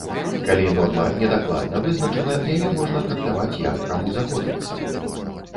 Калі норма недакладна вызначана, яе можна трактаваць як каму захочацца.